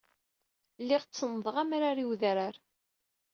Lliɣ ttenḍeɣ amrar i wedrar.